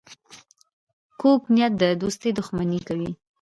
کوږ نیت د دوستۍ دښمني کوي